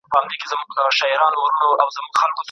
د لابراتوار حجرې په دوامداره توګه وده کوي.